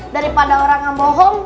daripada orang yang bohong